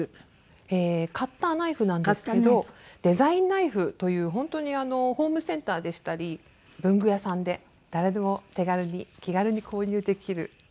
カッターナイフなんですけどデザインナイフという本当にホームセンターでしたり文具屋さんで誰でも手軽に気軽に購入できる。